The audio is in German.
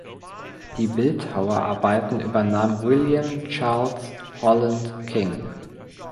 Die Bildhauerarbeiten übernahm William Charles Holland King.